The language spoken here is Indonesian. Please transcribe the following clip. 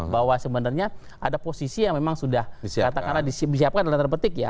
bahwa sebenarnya ada posisi yang memang sudah katakanlah disiapkan dalam tanda petik ya